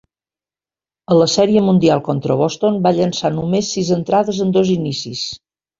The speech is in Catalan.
A la sèrie mundial contra Boston, va llançar només sis entrades en dos inicis.